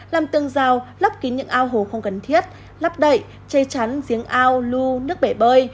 làm tường rào lấp kín những ao hồ không cần thiết lấp đậy chê chắn giếng ao lưu nước bể bơi